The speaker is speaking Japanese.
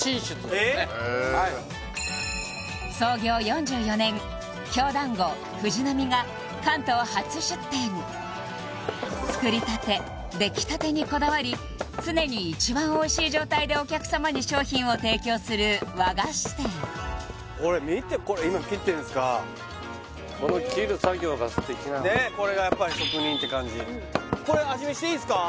創業４４年京だんご藤菜美が関東初出店作りたてできたてにこだわり常に一番おいしい状態でお客様に商品を提供する和菓子店見てこれ今切ってんですかこれがやっぱり職人って感じこれ味見していいですか？